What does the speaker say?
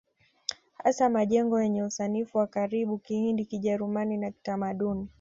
Hasa majengo yenye usanifu wa Kiarabu Kihindi Kijerumani na Kitamaduni